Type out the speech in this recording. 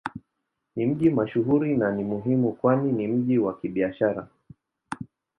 Ni mji mashuhuri na ni muhimu kwani ni mji wa Kibiashara.